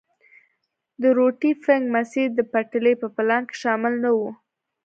د روټي فنک مسیر د پټلۍ په پلان کې شامل نه وو.